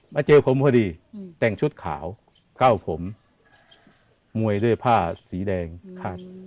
เจอผมพอดีแต่งชุดขาวเก้าผมมวยด้วยผ้าสีแดงคาด